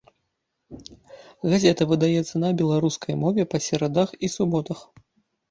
Газета выдаецца на беларускай мове па серадах і суботах.